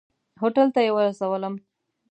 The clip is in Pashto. هوټل ته یې ورسولم.